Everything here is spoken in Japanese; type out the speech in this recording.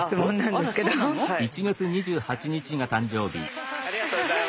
おめでとうございます。